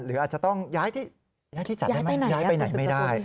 หรืออาจจะต้องย้ายที่จัดได้ไหมย้ายไปไหนไม่ได้